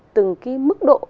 từng cái mức độ